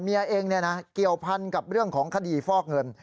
เมียเองเกี่ยวพันกับเรื่องของคดีฟอกเงิน